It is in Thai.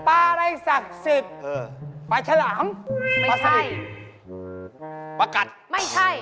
ปลาฉลามไม่ใช่ปลาสะดิกปลากัดไม่ใช่